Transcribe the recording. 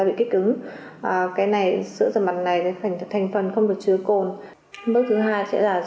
bước sáu đắp trang và làm sạch sâu da mặt sau đó di tính chất